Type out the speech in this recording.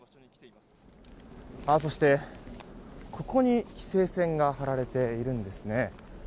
そして、ここに規制線が張られているんですね。